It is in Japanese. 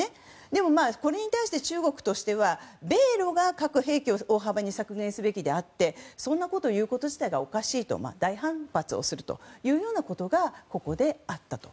でも、これに対して中国としては米露が核兵器を大幅に削減すべきであってそんなこと言うこと自体がおかしいと大反発することがここであったと。